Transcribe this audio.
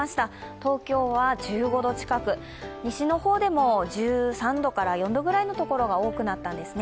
東京は１５度近く、西の方でも１３１４度ぐらいの所が多くなったんですね。